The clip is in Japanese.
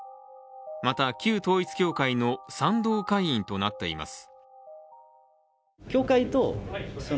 また、旧統一教会の賛同会員となっています。